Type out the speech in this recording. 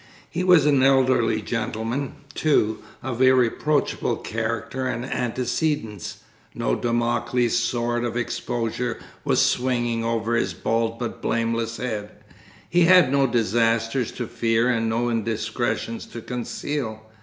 He was an elderly gentleman, too, of irreproachable character and antecedents; no Damocles' sword of exposure was swinging over his bald but blameless head; he had no disasters to fear and no indiscretions to conceal.